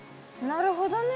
なるほどね。